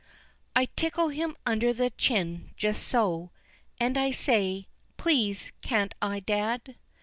I tickle him under the chin just so And I say, "Please can't I, dad?"